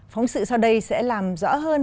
phóng sự sau đây sẽ làm rõ hơn